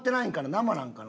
生なんかな？